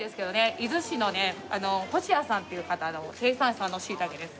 伊豆市のね星谷さんっていう方の生産者の椎茸です。